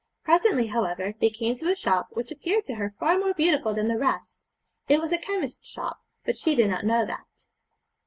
Presently, however, they came to a shop which appeared to her far more beautiful than the rest. It was a chemist's shop, but she did not know that.